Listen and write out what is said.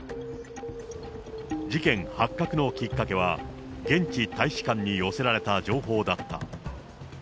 事件発覚のきっかけは、現地大使館に寄せられた情報だった。